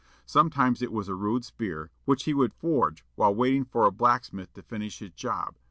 Sometimes it was a rude spear, which he would forge while waiting for the blacksmith to finish his job.